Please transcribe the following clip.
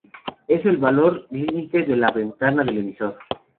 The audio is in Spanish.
Es el valor límite de la ventana del emisor.